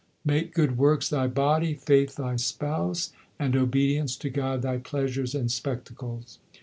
Make good works thy body, faith thy spouse, And obedience to God thy pleasures and spectacles.